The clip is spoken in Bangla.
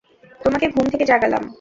তোমাকে ঘুম থেকে জাগালাম?